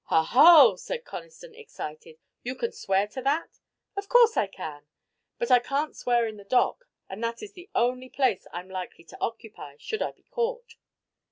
'" "Ha, ho!" said Conniston, excited, "you can swear to that." "Of course I can. But I can't swear in the dock, and that is the only place I'm likely to occupy should I be caught."